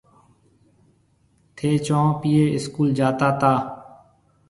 ٿَي چونه پيي اسڪول جاتا تا۔